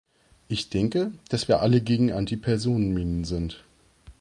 Ich denke, dass wir alle gegen Antipersonenminen sind.